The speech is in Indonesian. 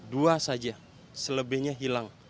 dua saja selebihnya hilang